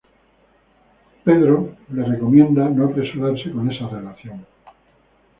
Peter le recomienda no apresurarse con esa relación.